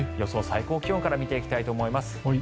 最高気温から見ていきたいと思います。